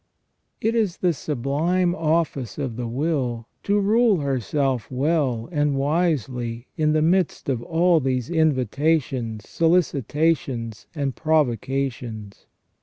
It is the sublime office of the will to rule herself well and wisely in the midst of all these invitations, solicitations, and provoca tions.